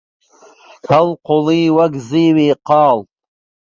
هەڵقوڵی وەک زیوی قاڵ